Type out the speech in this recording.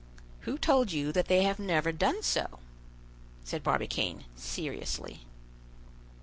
"Who told you that they have never done so?" said Barbicane seriously.